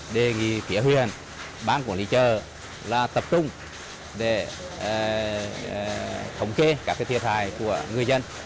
đề nghị phía huyện bán quản lý chợ là tập trung để thống kê các thiết hài của người dân